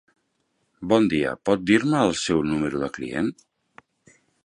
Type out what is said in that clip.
Bon dia, pot dir-me el seu número de client?